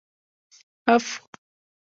افغ